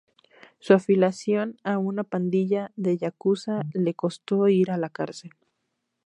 Su afiliación a una pandilla de Yakuza le costó ir a cárcel.